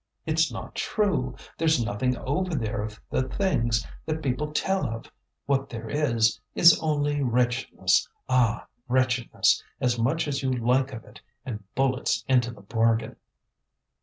It's not true; there's nothing over there of the things that people tell of. What there is, is only wretchedness, ah! wretchedness, as much as you like of it, and bullets into the bargain."